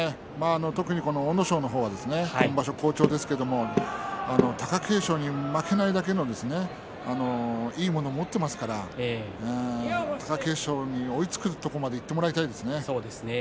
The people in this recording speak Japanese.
特に阿武咲の方は今場所好調ですけれども貴景勝に負けないだけのいいものを持っていますから貴景勝に追いつくところまでいってもらいたいですね。